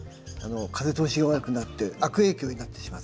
風通しが悪くなって悪影響になってしまいます。